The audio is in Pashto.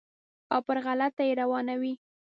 او پر غلطه یې روانوي.